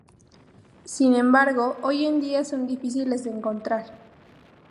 Sin embargo, hoy en día son difíciles de encontrar.